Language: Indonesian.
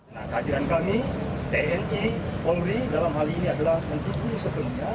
nah kehadiran kami tni polri dalam hal ini adalah mendukung sepenuhnya